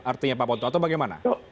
artinya pak ponto atau bagaimana